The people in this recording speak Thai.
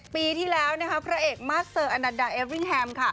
ปีที่แล้วพระเอกมาสเซอร์อนันดาเอฟริ่งแฮมค่ะ